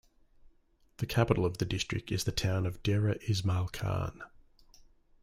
The capital of the district is the town of Dera Ismail Khan.